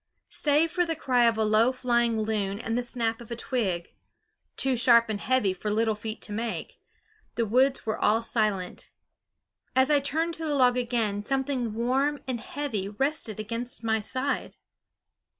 Save for the cry of a low flying loon and the snap of a twig too sharp and heavy for little feet to make the woods were all silent. As I turned to the log again, something warm and heavy rested against my side.